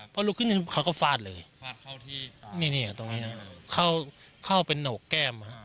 พอลุกขึ้นยืนเขาก็ฟาดเลยนี่ตรงนี้นะเข้าเป็นโหนกแก้ม